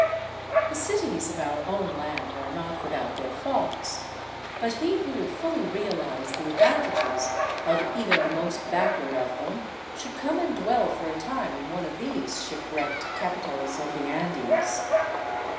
The cities of our own land are not without their faults, but he who would fully realize the advantages of even the most backward of them should come and dwell for a time in one of these shipwrecked " capi tals " of the Andes.